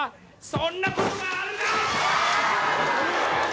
そんなことがあるか！